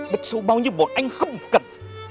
địch số bao nhiêu bọn anh không cần